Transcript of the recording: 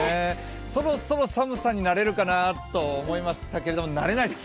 そろそろ寒さに慣れるかなとおもいましたけど慣れないです